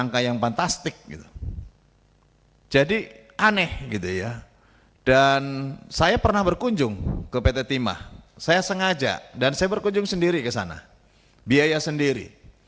ke pt timah saya sengaja dan saya berkunjung sendiri ke sana biaya sendiri